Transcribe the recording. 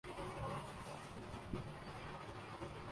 افریقہ